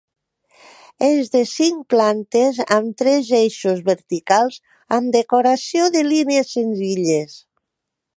És de cinc plantes amb tres eixos verticals amb decoració de línies senzilles.